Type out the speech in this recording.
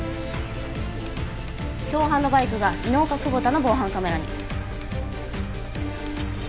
共犯のバイクが飯岡久保田の防犯カメラに。